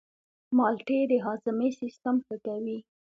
مالټې د هاضمې سیستم ښه کوي.